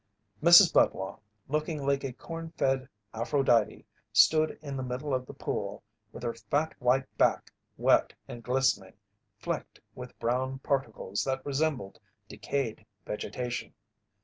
Mrs. Budlong, looking like a corn fed Aphrodite, stood in the middle of the pool, with her fat white back, wet and glistening, flecked with brown particles that resembled decayed vegetation.